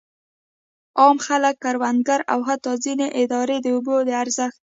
عام خلک، کروندګر او حتی ځینې ادارې د اوبو د ارزښت.